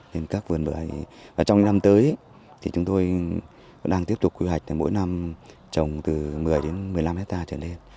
nên các vườn bưởi và trong những năm tới thì chúng tôi đang tiếp tục quy hoạch mỗi năm trồng từ một mươi đến một mươi năm hectare trở lên